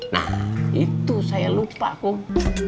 nah itu saya lupa kok